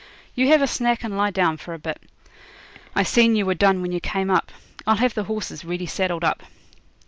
You have a snack and lie down for a bit. I seen you were done when you came up. I'll have the horses ready saddled up.'